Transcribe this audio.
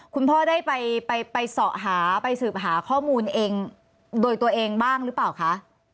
คุณพ่อได้ไปสอบหาไปสืบหาข้อมูลเองโดยตัวเองบ้างหรือเปล่าคะ